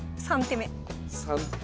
３手目。